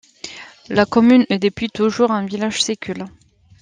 La commune est depuis toujours un village sicule.